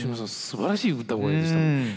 すばらしい歌声でしたね。